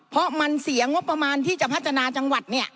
เพราะมันเสียงบประมาณที่จะพัฒนาจังหวัดเนี่ย